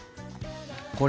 これ